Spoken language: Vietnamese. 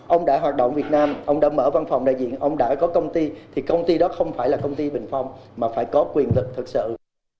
ông đã hoạt động việt nam ông đã mở văn phòng đại diện ông đã có công ty thì công ty đó không phải là công ty bình phong mà phải có quyền lực thật sự